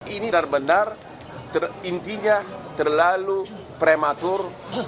ini benar benar intinya terlalu prematur